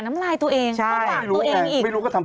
โหยวายโหยวายโหยวายโหยวายโหยวาย